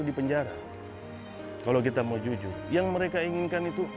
tapi jadi masyarakat